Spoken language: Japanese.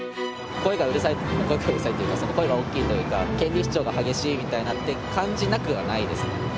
声がうるさいっていうかその声が大きいというか権利主張が激しいなって感じなくはないですね。